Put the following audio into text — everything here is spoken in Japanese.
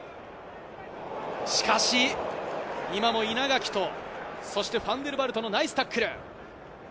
しかし、今も稲垣とファンデルヴァルトのナイスタックル。